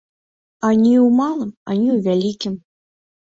Ані ў малым, ані ў вялікім.